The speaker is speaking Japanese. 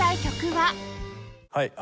はい。